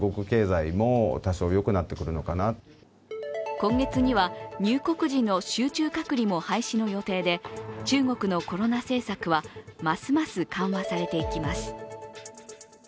今月には入国時の集中隔離も廃止の予定で、中国のコロナ政策はますます緩和されていきます。